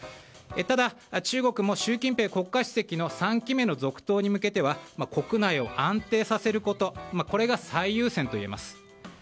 ただ、中国も習近平国家主席の３期目の続投に向けては国内を安定させることが最優先といえます。